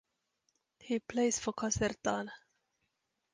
He plays for Casertana.